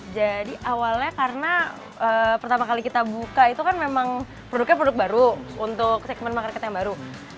jadi awalnya karena pertama kali kita buka itu kan memang produknya produk baru untuk segmen makan kereta yang baru